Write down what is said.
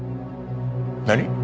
何！？